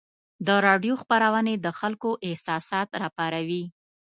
د راډیو خپرونې د خلکو احساسات راپاروي.